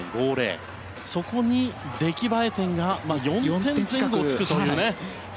そこに出来栄え点が４点つくというね。